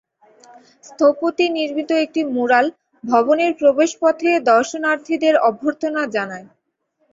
স্থপতি নির্মিত একটি ম্যুরাল ভবনের প্রবেশপথে দর্শনার্থীদের অভ্যর্থনা জানায়।